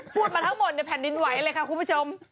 พูดมาทั้งหมดในแผ่นดินไหวเลยค่ะคุณผู้ชม